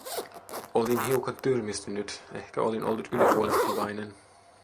Olin hiukan tyrmistynyt, ehkä olin ollut ylihuolehtivainen.